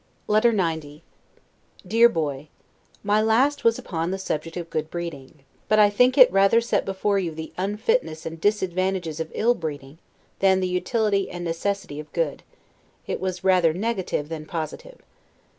LETTER XC DEAR Boy: My last was upon the subject of good breeding; but I think it rather set before you the unfitness and disadvantages of ill breeding, than the utility and necessity of good; it was rather negative than positive.